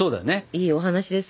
いいお話です。